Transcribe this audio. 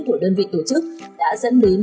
của đơn vị tổ chức đã dẫn đến